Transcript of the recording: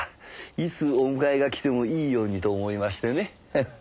いつお迎えが来てもいいようにと思いましてね。